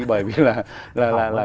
bởi vì là